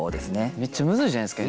めっちゃむずいじゃないですか。